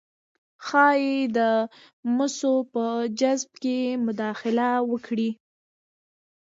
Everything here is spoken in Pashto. ښايي د مسو په جذب کې مداخله وکړي